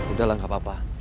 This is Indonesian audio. udah lah gak apa apa